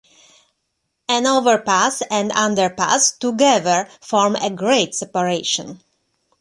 An "overpass" and "underpass" together form a grade separation.